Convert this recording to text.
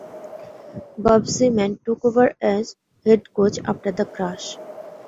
Bob Seaman took over as head coach after the crash.